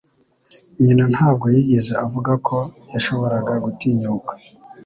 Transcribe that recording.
nyina ntabwo yigeze avuga ko yashoboraga gutinyuka